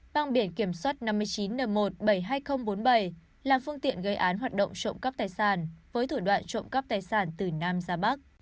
mang biển kiểm soát năm mươi chín n một bảy mươi hai nghìn bốn mươi bảy là phương tiện gây án hoạt động trộm cắp tài sản với thủ đoạn trộm cắp tài sản từ nam ra bắc